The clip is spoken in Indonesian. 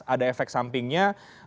ada efek sampingnya